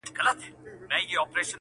خدای په خپل قلم یم په ازل کي نازولی -